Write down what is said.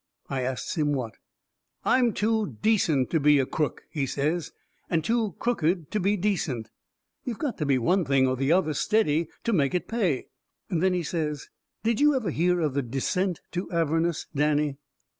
I asts him what. "I'm too decent to be a crook," he says, "and too crooked to be decent. You've got to be one thing or the other steady to make it pay." Then he says: "Did you ever hear of the descent to Avernus, Danny?"